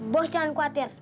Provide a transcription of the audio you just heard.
bos jangan khawatir